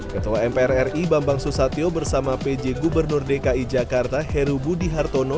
ketua mpr ri bambang susatyo bersama pj gubernur dki jakarta heru budi hartono